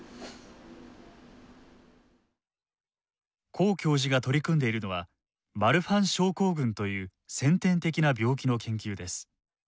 黄教授が取り組んでいるのはマルファン症候群という先天的な病気の研究です。